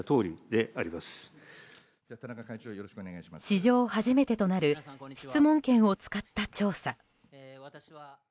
史上初めてとなる質問権を使った調査。